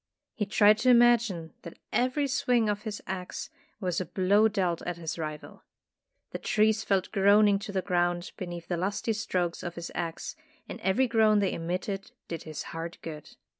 He tried to imagine that every swing of his axe was a blow dealt at his rival. The trees fell groaning to the ground beneath the lusty strokes of his axe, and every groan they emitted did his heart good.